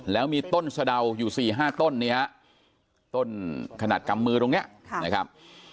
แล้วมีต้นสะดาวอยู่๔๕ต้นเนี่ยต้นขนาดกำมือตรงนี้นะครับ